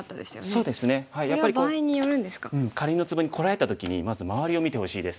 かりんのツボにこられた時にまず周りを見てほしいです。